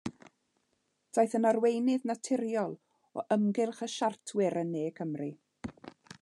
Daeth yn arweinydd naturiol o ymgyrch y siartwyr yn Ne Cymru.